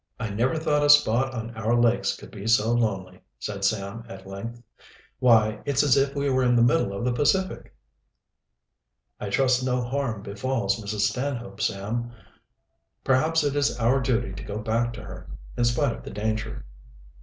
"I never thought a spot on our lakes could be so lonely," said Sam at length. "Why, it's as if we were in the middle of the Pacific!" "I trust no harm befalls Mrs. Stanhope, Sam. Perhaps it is our duty to go back to her, in spite of the danger."